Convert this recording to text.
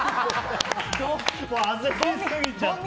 もう焦りすぎちゃって。